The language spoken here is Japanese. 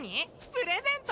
プレゼント？